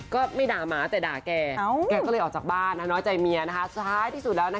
ก็ไม่ด่าหมาแต่ด่าแกแกก็เลยออกจากบ้านน้อยใจเมียสุดท้ายที่สุดแล้วนะคะ